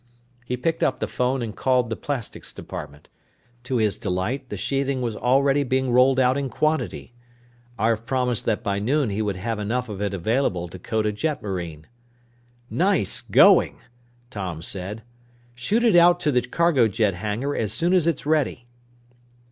He picked up the phone and called the plastics department. To his delight, the sheathing was already being rolled out in quantity. Arv promised that by noon he would have enough of it available to coat a jetmarine. "Nice going!" Tom said. "Shoot it out to the cargo jet hangar as soon as it's ready!"